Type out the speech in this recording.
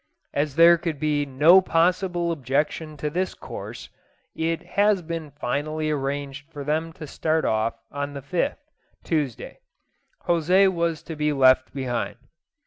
As there could be no possible objection to this course, it has been finally arranged for them to start off on the 5th (Tuesday). José was to be left behind.